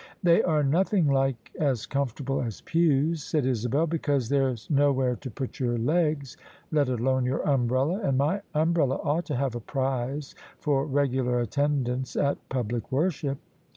"They are nothing like as comfortable as pews," said Isabel: "because there's nowhere to put your legs — ^let alone your umbrella : and my umbrella ought to have a prize for regular attendance at public worship."